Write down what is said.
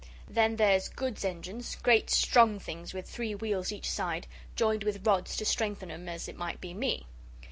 Then there's goods engines, great, strong things with three wheels each side joined with rods to strengthen 'em as it might be me.